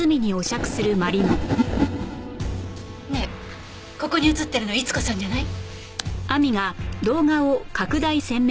ねえここに映ってるの伊津子さんじゃない？